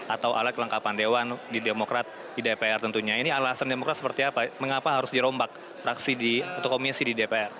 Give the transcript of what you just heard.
atau alat kelengkapan dewan di demokrat di dpr tentunya ini alasan demokrat seperti apa mengapa harus dirombak praksi di atau komisi di dpr